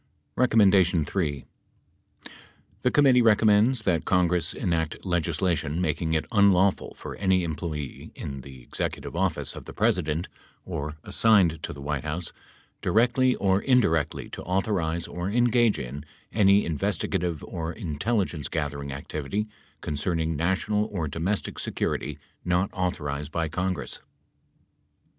The committee recommends that Congress enact legislation making it unlawful for any employee in the Executive Office of the President, or assigned to the White House, directly or indi rectly to authorize or engage in any investigative or intelligence gathering activity concerning national or domestic security not authorized by Congress.